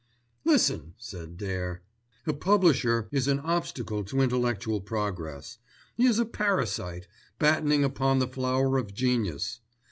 "Listen!" said Dare. "A publisher is an obstacle to intellectual progress. He is a parasite, battening upon the flower of genius.